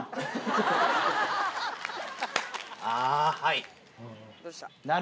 あぁはい！